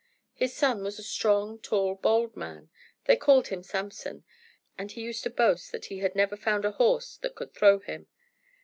His son was a strong, tall, bold man; they called him Samson, and he used to boast that he had never found a horse that could throw him.